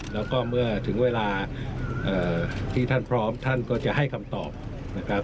แล้วก็เมื่อถึงเวลาที่ท่านพร้อมท่านก็จะให้คำตอบนะครับ